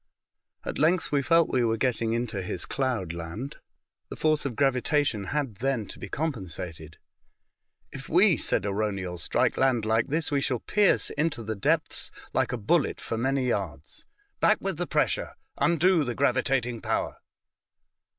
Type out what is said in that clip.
At length we felt we were getting into his cloud land. The force of gravitation had then to be compensated. '' If we," said Arauniel, strike land like this, we shall pierce into the depths like a bullet for many yards. Back with the pressure ! Undo the gravitating power!"